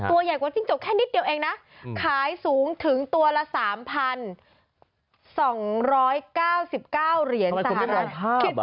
ตัวใหญ่กว่าจิ้งจกแค่นิดเดียวเองนะขายสูงถึงตัวละ๓๒๙๙เหรียญสหรัฐ